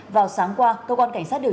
vào sáng qua cơ quan cảnh sát định